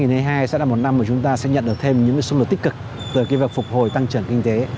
năm hai nghìn hai mươi hai sẽ là một năm mà chúng ta sẽ nhận được thêm những cái xung đột tích cực từ cái việc phục hồi tăng trưởng kinh tế